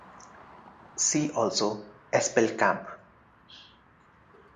See also Espelkamp.